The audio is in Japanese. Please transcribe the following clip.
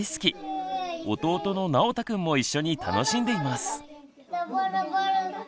弟のなおたくんも一緒に楽しんでいます。